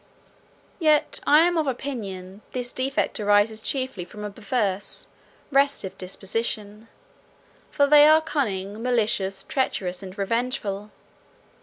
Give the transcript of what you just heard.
Yet I am of opinion this defect arises chiefly from a perverse, restive disposition; for they are cunning, malicious, treacherous, and revengeful.